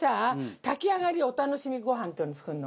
炊き上がりお楽しみごはんっていうのを作るの。